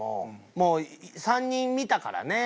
もう３人見たからね。